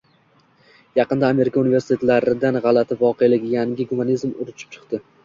Yaqinda Amerika universitetlaridan g‘alati voqelik — «yangi gumanizm» urchib chiqdi